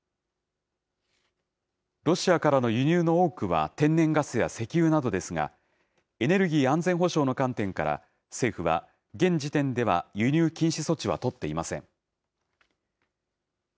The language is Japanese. ロシアからの輸入の多くは天然ガスや石油などですが、エネルギー安全保障の観点から、政府は、現時点では輸入禁止措置は取っていません。